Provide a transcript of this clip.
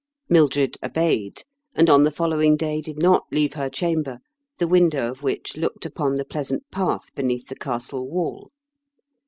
Mildred obeyed, and on the following day did not leave her chamber, the window of which looked upon the pleasant path beneath the castle wall.